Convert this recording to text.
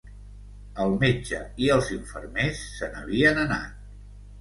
El metge i els infermers se n'havien anat